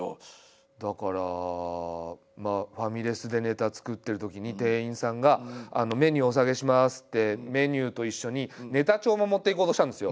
だからファミレスでネタ作ってるときに店員さんが「メニューお下げします」ってメニューと一緒にネタ帳も持っていこうとしたんですよ。